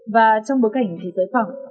và trong bối cảnh thế giới phỏng